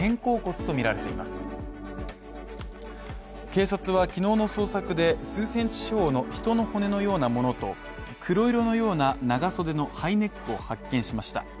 警察は昨日の捜索で数センチ四方の人の骨のようなものと、黒色のような長袖のハイネックを発見しました。